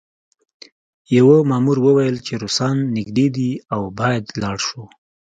یوه مامور وویل چې روسان نږدې دي او باید لاړ شو